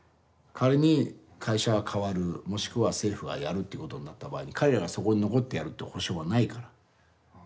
仮に会社が変わるもしくは政府がやるってことになった場合に彼らがそこに残ってやるっていう保証はないから。